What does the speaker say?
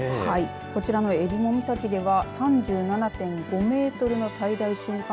こちらの襟裳岬では３７．５メートルの最大瞬間